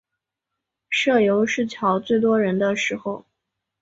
社游是乔最多人的时间